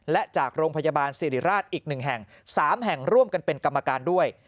และจากโรงพยาบาลสิริราชอีก๑แห่ง๓แห่งร่วมกันเป็นกรรมการด้วย